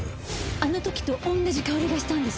あの時とおんなじ香りがしたんです。